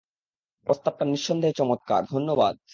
প্রস্তাবটা নিঃসন্দেহে চমৎকার, ধন্যবাদ!